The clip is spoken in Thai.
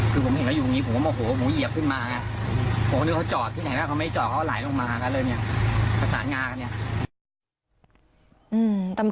คือผมเห็นเขาอยู่อยู่นี้ผมก็โมโหผมก็เหยียบขึ้นมา